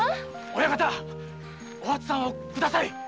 親方お初さんをください！